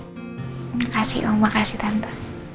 makasih om makasih tante